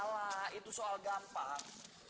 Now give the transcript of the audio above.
alah itu soal gampang